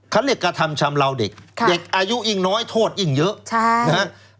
เขาเรียกกระทำชำลาวเด็กเด็กอายุอีกน้อยโทษอีกเยอะใช่